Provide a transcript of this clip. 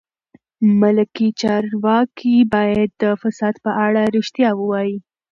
ملکي چارواکي باید د فساد په اړه رښتیا ووایي.